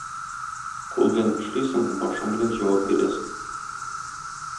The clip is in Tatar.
Кул белән эшлисең, башың белән җавап бирәсең.